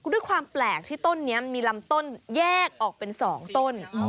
ด้วยความแปลกที่ต้นนี้มีลำต้นแยกออกเป็น๒ต้น